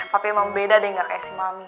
papi emang beda deh gak kaya si mami